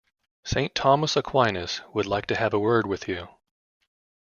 Saint Thomas Aquinas would like to have a word with you.